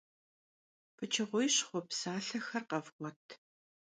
Pıçığuiş xhu psalhexer khevğuet!